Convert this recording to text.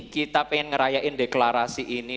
kita pengen ngerayain deklarasi ini